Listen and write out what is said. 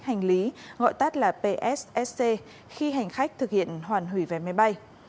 hành lý gọi tắt là pssc khi hành khách thực hiện hoàn hủy vé máy bay